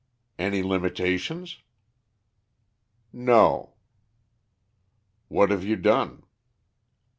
'" "Any limitations?" "No." "What have you done?"